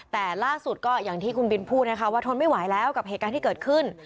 แต่ล่าสุดก็อย่างที่คุณบินพูดนะคะว่าทนไม่ไหวแล้วกับเหตุการณ์ที่เกิดขึ้น